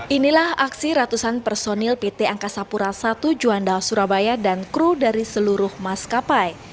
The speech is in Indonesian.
inilah aksi ratusan personil pt angkasapura satu juandao surabaya dan kru dari seluruh maskapai